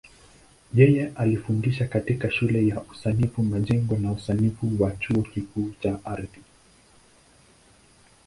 Yeye alifundisha katika Shule ya Usanifu Majengo na Usanifu wa Chuo Kikuu cha Ardhi.